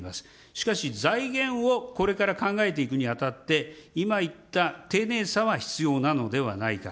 しかし、財源をこれから考えていくにあたって、今言った丁寧さは必要なのではないか。